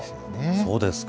そうですか。